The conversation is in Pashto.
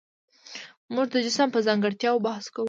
موږ د جسم په ځانګړتیاوو بحث کوو.